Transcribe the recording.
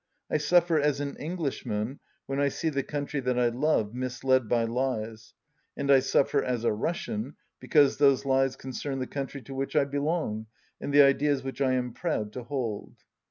I suffer as an Eng lishman when I see the country that I love misled by lies, and I suffer as a Russian because those lies concern the country to which I belong, and the ideas which I am proud to hold."